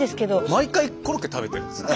毎回コロッケ食べてんですね。